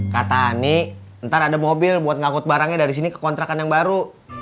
kak tani ntar ada mobil buat ngangkut barangnya dari sini ke kontrakan yang baru